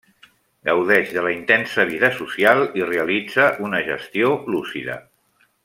Gaudeix de la intensa vida social i realitza una gestió lúcida.